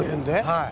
はい？